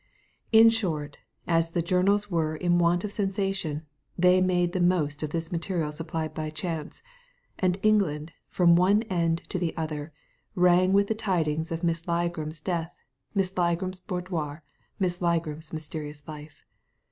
In short, as the journals were in want of a sensation, they made the most of this material supplied by chance, and England from one end to the other rang with the tidings of Miss Ligram*s death, Miss Ligram's boudoir, and Miss Ligram's mysterious life.